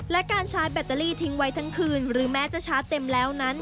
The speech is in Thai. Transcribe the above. และการชาร์จแบตเตอรี่ทิ้งไว้ทั้งคืนหรือแม้จะชาร์จเต็มแล้วนั้น